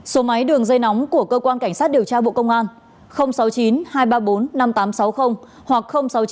số máy đường dây nóng của cơ quan cảnh sát điều tra bộ công an sáu mươi chín hai trăm ba mươi bốn năm nghìn tám trăm sáu mươi hoặc sáu mươi chín hai trăm ba mươi một một nghìn sáu trăm